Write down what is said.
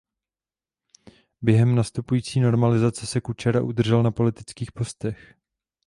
Během nastupující normalizace se Kučera udržel na politických postech.